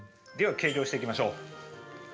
では計量していきましょう。